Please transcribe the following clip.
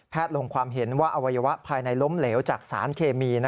ลงความเห็นว่าอวัยวะภายในล้มเหลวจากสารเคมี